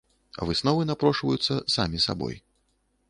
Высновы напрошваюцца самі сабой.